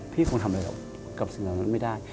คงทำอะไรหรอกกับสิ่งเหล่านั้นไม่ได้